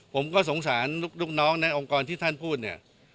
ผมก็สงสารลูกน้องในองค์กรที่ท่านพูดเนี่ย